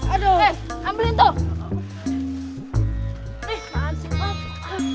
aduh ambil itu